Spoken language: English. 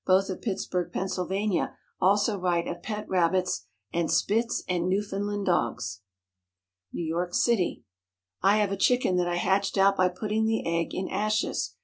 both of Pittsburgh, Pennsylvania, also write of pet rabbits, and Spitz and Newfoundland dogs. NEW YORK CITY. I have a chicken that I hatched out by putting the egg in ashes.